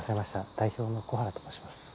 代表の小原と申します。